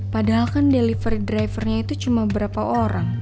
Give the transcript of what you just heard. padahal kan deliver drivernya itu cuma berapa orang